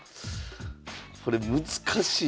これ難しいなあ。